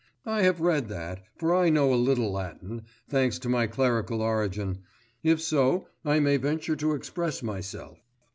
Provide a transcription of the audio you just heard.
I have read that, for I know a little Latin, thanks to my clerical origin, if so I may venture to express myself.